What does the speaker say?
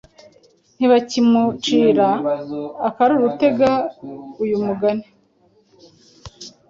Ntibakimucira akari urutega uyu mugani